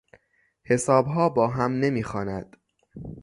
حسابها با هم نمیخواند.